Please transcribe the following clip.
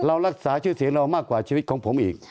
รักษาชื่อเสียงเรามากกว่าชีวิตของผมอีก